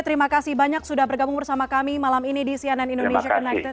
terima kasih banyak sudah bergabung bersama kami malam ini di cnn indonesia connected